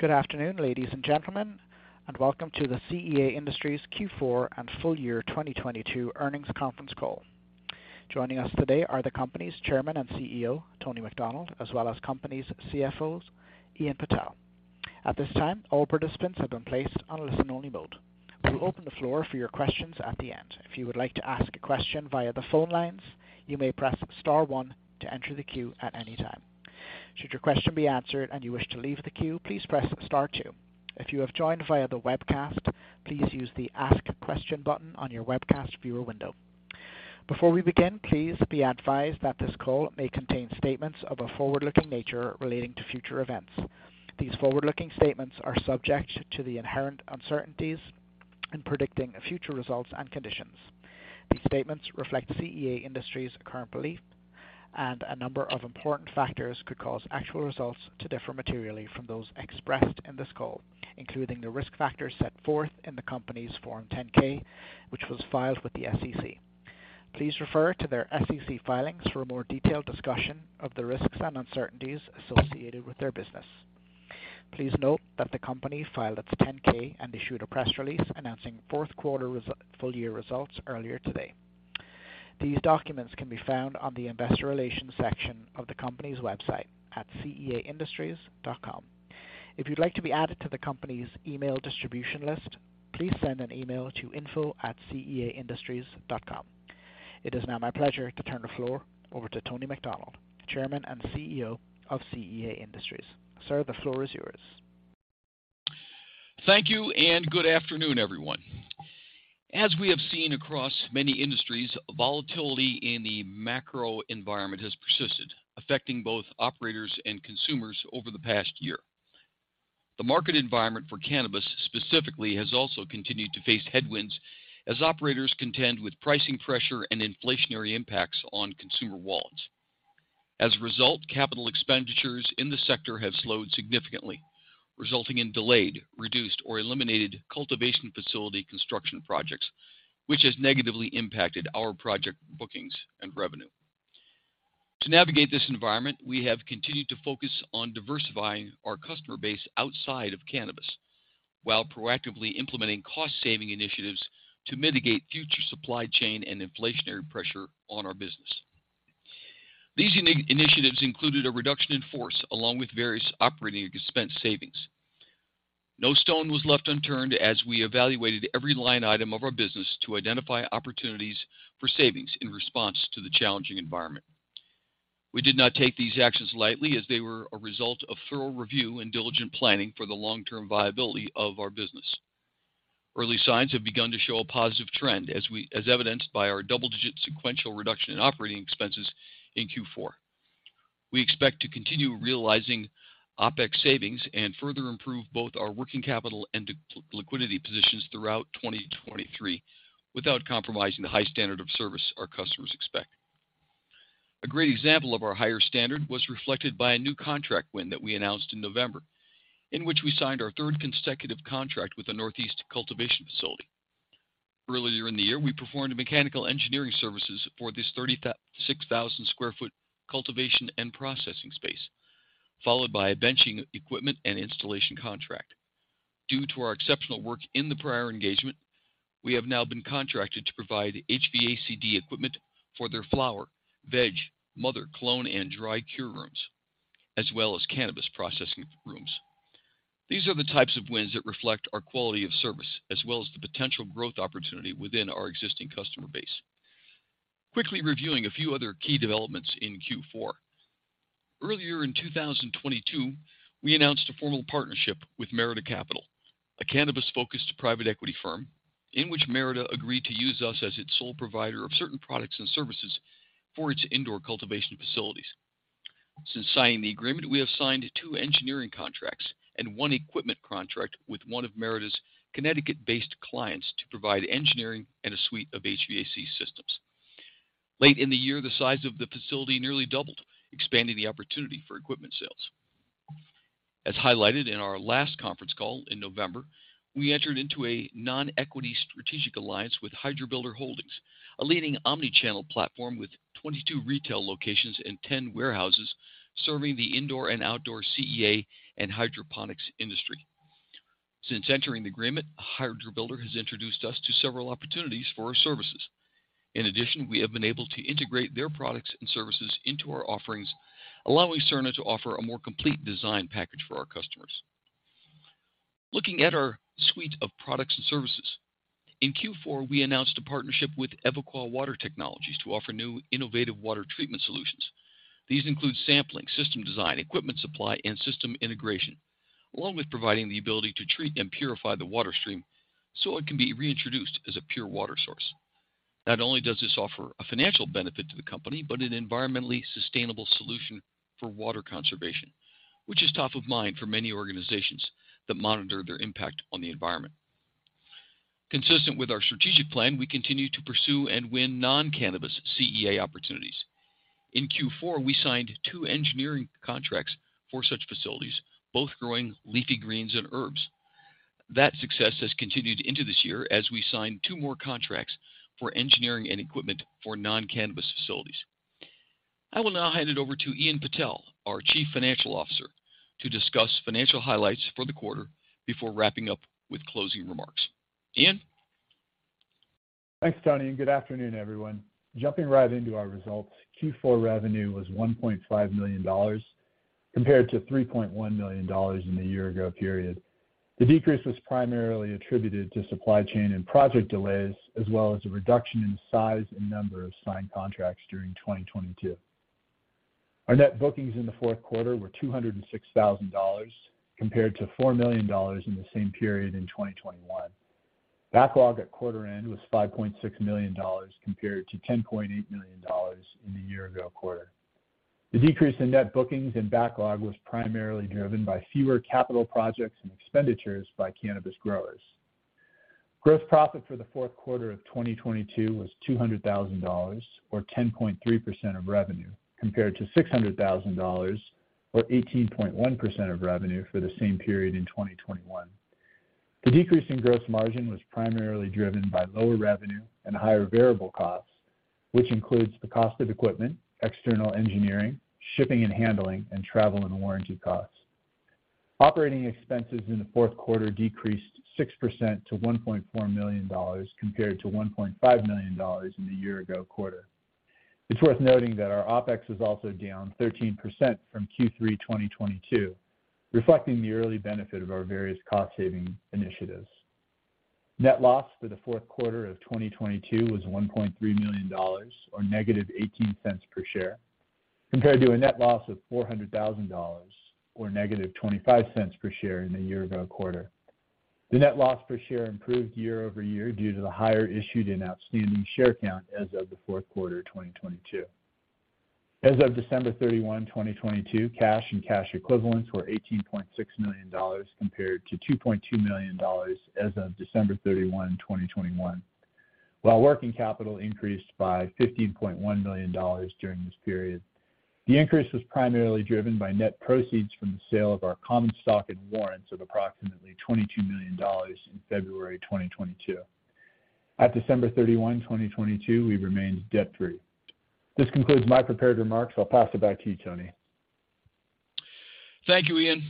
Good afternoon, ladies and gentlemen, welcome to the CEA Industries Q4 and full year 2022 earnings conference call. Joining us today are the company's Chairman and CEO, Tony McDonald, as well as company's CFOs, Ian Patel. At this time, all participants have been placed on listen-only mode. We'll open the floor for your questions at the end. If you would like to ask a question via the phone lines, you may press star one to enter the queue at any time. Should your question be answered and you wish to leave the queue, please press star two. If you have joined via the webcast, please use the Ask Question button on your webcast viewer window. Before we begin, please be advised that this call may contain statements of a forward-looking nature relating to future events. These forward-looking statements are subject to the inherent uncertainties in predicting future results and conditions. These statements reflect CEA Industries' current belief, and a number of important factors could cause actual results to differ materially from those expressed in this call, including the risk factors set forth in the company's Form 10-K, which was filed with the SEC. Please refer to their SEC filings for a more detailed discussion of the risks and uncertainties associated with their business. Please note that the company filed its Form 10-K and issued a press release announcing fourth quarter full-year results earlier today. These documents can be found on the investor relations section of the company's website at ceaindustries.com. If you'd like to be added to the company's email distribution list, please send an email to info@ceaindustries.com. It is now my pleasure to turn the floor over to Tony McDonald, Chairman and CEO of CEA Industries. Sir, the floor is yours. Thank you and good afternoon, everyone. As we have seen across many industries, volatility in the macro environment has persisted, affecting both operators and consumers over the past year. The market environment for cannabis specifically has also continued to face headwinds as operators contend with pricing pressure and inflationary impacts on consumer wallets. As a result, capital expenditures in the sector have slowed significantly, resulting in delayed, reduced, or eliminated cultivation facility construction projects, which has negatively impacted our project bookings and revenue. To navigate this environment, we have continued to focus on diversifying our customer base outside of cannabis while proactively implementing cost-saving initiatives to mitigate future supply chain and inflationary pressure on our business. These initiatives included a reduction in force along with various operating expense savings. No stone was left unturned as we evaluated every line item of our business to identify opportunities for savings in response to the challenging environment. We did not take these actions lightly as they were a result of thorough review and diligent planning for the long-term viability of our business. Early signs have begun to show a positive trend as evidenced by our double-digit sequential reduction in operating expenses in Q4. We expect to continue realizing OpEx savings and further improve both our working capital and liquidity positions throughout 2023 without compromising the high standard of service our customers expect. A great example of our higher standard was reflected by a new contract win that we announced in November, in which we signed our third consecutive contract with a Northeast cultivation facility. Earlier in the year, we performed mechanical engineering services for this 36,000-sq ft cultivation and processing space, followed by a benching equipment and installation contract. Due to our exceptional work in the prior engagement, we have now been contracted to provide HVACD equipment for their flower, veg, mother, clone, and dry cure rooms, as well as cannabis processing rooms. These are the types of wins that reflect our quality of service, as well as the potential growth opportunity within our existing customer base. Quickly reviewing a few other key developments in Q4. Earlier in 2022, we announced a formal partnership with Merida Capital, a cannabis-focused private equity firm, in which Merida agreed to use us as its sole provider of certain products and services for its indoor cultivation facilities. Since signing the agreement, we have signed two engineering contracts and one equipment contract with one of Merida's Connecticut-based clients to provide engineering and a suite of HVAC systems. Late in the year, the size of the facility nearly doubled, expanding the opportunity for equipment sales. As highlighted in our last conference call in November, we entered into a non-equity strategic alliance with Hydrobuilder Holdings, a leading omni-channel platform with 22 retail locations and 10 warehouses serving the indoor and outdoor CEA and hydroponics industry. Since entering the agreement, Hydrobuilder has introduced us to several opportunities for our services. In addition, we have been able to integrate their products and services into our offerings, allowing Surna to offer a more complete design package for our customers. Looking at our suite of products and services. In Q4, we announced a partnership with Evoqua Water Technologies to offer new innovative water treatment solutions. These include sampling, system design, equipment supply, and system integration, along with providing the ability to treat and purify the water stream so it can be reintroduced as a pure water source. Not only does this offer a financial benefit to the company, but an environmentally sustainable solution for water conservation, which is top of mind for many organizations that monitor their impact on the environment. Consistent with our strategic plan, we continue to pursue and win non-cannabis CEA opportunities. In Q4, we signed two engineering contracts for such facilities, both growing leafy greens and herbs. That success has continued into this year as we signed two more contracts for engineering and equipment for non-cannabis facilities. I will now hand it over to Ian Patel, our Chief Financial Officer, to discuss financial highlights for the quarter before wrapping up with closing remarks. Ian. Thanks, Tony. Good afternoon, everyone. Jumping right into our results. Q4 revenue was $1.5 million compared to $3.1 million in the year-ago period. The decrease was primarily attributed to supply chain and project delays, as well as a reduction in size and number of signed contracts during 2022. Our net bookings in the fourth quarter were $206,000 compared to $4 million in the same period in 2021. Backlog at quarter end was $5.6 million compared to $10.8 million in the year-ago quarter. The decrease in net bookings and backlog was primarily driven by fewer capital projects and expenditures by cannabis growers. Gross profit for the fourth quarter of 2022 was $200,000, or 10.3% of revenue, compared to $600,000 or 18.1% of revenue for the same period in 2021. The decrease in gross margin was primarily driven by lower revenue and higher variable costs, which includes the cost of equipment, external engineering, shipping and handling, and travel and warranty costs. Operating expenses in the fourth quarter decreased 6% to $1.4 million, compared to $1.5 million in the year ago quarter. It's worth noting that our OpEx is also down 13% from Q3 2022, reflecting the early benefit of our various cost saving initiatives. Net loss for the fourth quarter of 2022 was $1.3 million, or -$0.18 per share, compared to a net loss of $400,000 or -$0.25 per share in the year-ago quarter. The net loss per share improved year-over-year due to the higher issued and outstanding share count as of the fourth quarter of 2022. As of December 31, 2022, cash and cash equivalents were $18.6 million compared to $2.2 million as of December 31, 2021. While working capital increased by $15.1 million during this period. The increase was primarily driven by net proceeds from the sale of our common stock and warrants of approximately $22 million in February 2022. At December 31, 2022, we remained debt-free. This concludes my prepared remarks. I'll pass it back to you, Tony. Thank you, Ian.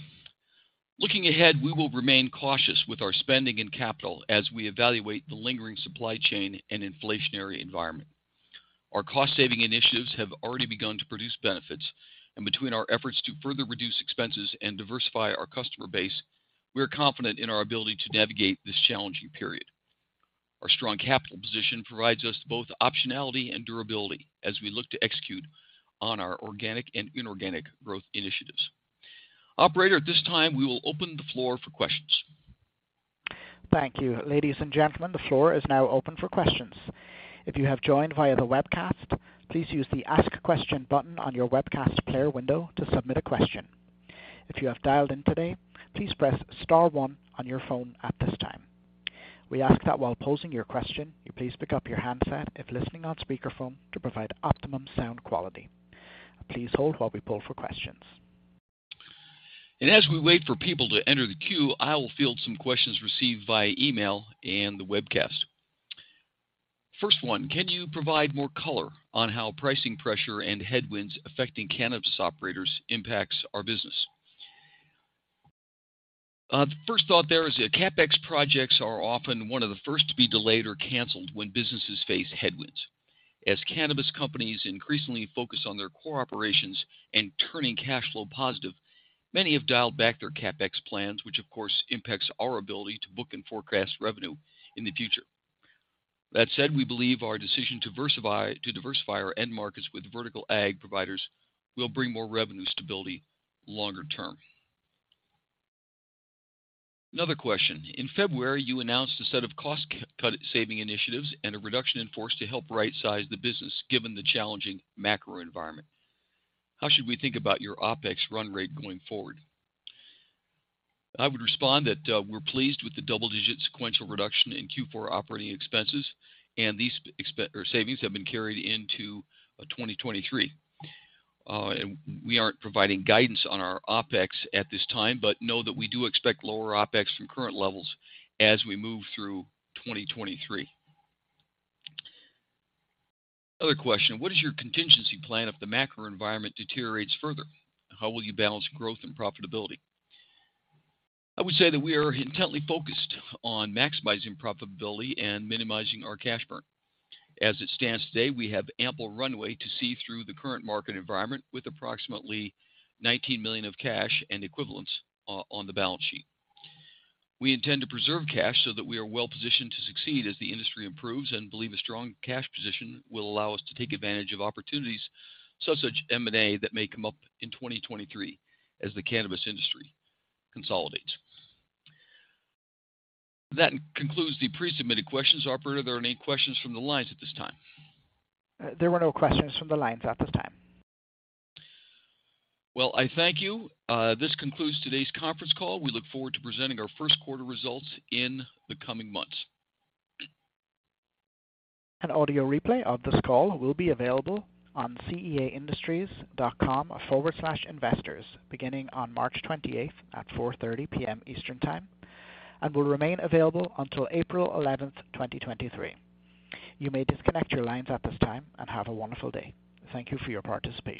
Looking ahead, we will remain cautious with our spending and capital as we evaluate the lingering supply chain and inflationary environment. Our cost saving initiatives have already begun to produce benefits, and between our efforts to further reduce expenses and diversify our customer base, we are confident in our ability to navigate this challenging period. Our strong capital position provides us both optionality and durability as we look to execute on our organic and inorganic growth initiatives. Operator, at this time, we will open the floor for questions. Thank you. Ladies and gentlemen, the floor is now open for questions. If you have joined via the webcast, please use the Ask question button on your webcast player window to submit a question. If you have dialed in today, please press star one on your phone at this time. We ask that while posing your question, you please pick up your handset if listening on speakerphone to provide optimum sound quality. Please hold while we pull for questions. As we wait for people to enter the queue, I will field some questions received via email and the webcast. Can you provide more color on how pricing pressure and headwinds affecting cannabis operators impacts our business? The first thought there is CapEx projects are often one of the first to be delayed or canceled when businesses face headwinds. As cannabis companies increasingly focus on their core operations and turning cash flow positive, many have dialed back their CapEx plans, which of course impacts our ability to book and forecast revenue in the future. That said, we believe our decision to diversify our end markets with vertical ag providers will bring more revenue stability longer term. Another question. In February, you announced a set of cost-saving initiatives and a reduction in force to help right-size the business given the challenging macro environment. How should we think about your OpEx run rate going forward? I would respond that we're pleased with the double-digit sequential reduction in Q4 operating expenses, these savings have been carried into 2023. We aren't providing guidance on our OpEx at this time, but know that we do expect lower OpEx from current levels as we move through 2023. Other question. What is your contingency plan if the macro environment deteriorates further? How will you balance growth and profitability? I would say that we are intently focused on maximizing profitability and minimizing our cash burn. As it stands today, we have ample runway to see through the current market environment with approximately $19 million of cash and equivalents on the balance sheet. We intend to preserve cash so that we are well-positioned to succeed as the industry improves and believe a strong cash position will allow us to take advantage of opportunities, such as M&A that may come up in 2023 as the cannabis industry consolidates. That concludes the pre-submitted questions. Operator, are there any questions from the lines at this time? There were no questions from the lines at this time. Well, I thank you. This concludes today's conference call. We look forward to presenting our first quarter results in the coming months. An audio replay of this call will be available on ceaindustries.com/investors beginning on March 28th at 4:30 P.M. Eastern Time, and will remain available until April 11th, 2023. You may disconnect your lines at this time, and have a wonderful day. Thank you for your participation.